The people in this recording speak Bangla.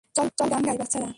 চল গান গাই, বাচ্চারা!